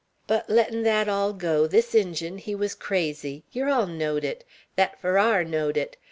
But lettin' thet all go, this Injun, he wuz crazy. Yer all knowed it. Thet Farrar knowed it.